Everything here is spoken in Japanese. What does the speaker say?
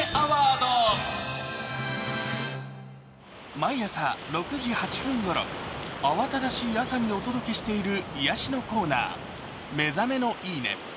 毎朝６時８分ごろ慌ただしい朝にお届けしている癒やしのコーナー、「目覚めのいい音」。